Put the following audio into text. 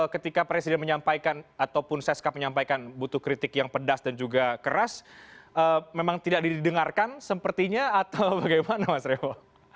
ketika presiden menyampaikan ataupun seskap menyampaikan butuh kritik yang pedas dan juga keras memang tidak didengarkan sepertinya atau bagaimana mas revo